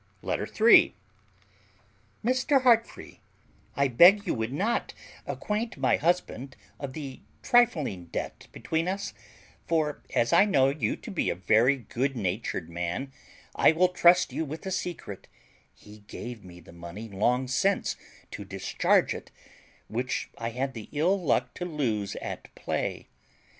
LETTER III. MR. HEARTFREE, I beg you would not acquaint my husband of the trifling debt between us; for, as I know you to be a very good natured man, I will trust you with a secret; he gave me the money long since to discharge it, which I had the ill luck to lose at play.